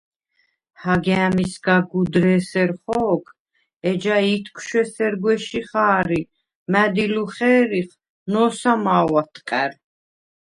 –ჰაგა̄̈მისგა გუდრ’ე̄სერ ხო̄გ, ეჯა ითქშუ̂ ესერ გუ̂ეში ხა̄რ ი მა̈დილუ ხე̄რიხ, ნო̄სამაუ̂ ა̈თყა̈რ!